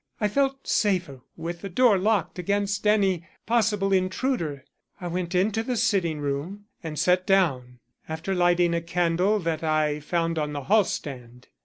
I felt safer with the door locked against any possible intruder. I went into the sitting room and sat down, after lighting a candle that I found on the hallstand.